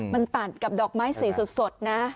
มันตัดกับดอกไม้สีสดนะ